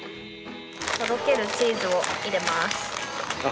とろけるチーズを入れます。